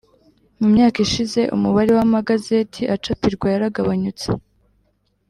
Mu myaka ishize umubare w amagazeti acapirwa yaragabanyutse